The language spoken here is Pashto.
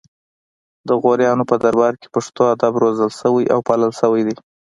د غوریانو په دربار کې پښتو ادب روزل شوی او پالل شوی دی